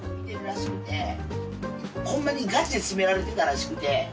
ホンマにがちで詰められてたらしくて。